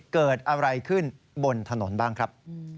เกิดอะไรขึ้นบนถนนบ้างครับ